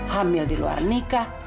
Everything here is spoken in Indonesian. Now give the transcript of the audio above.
hamil di luar nikah